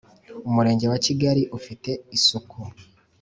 umurenge wa kigali ufite isuku